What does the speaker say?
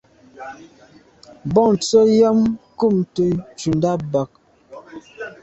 Bontse yàm kùmte ntshundà bag.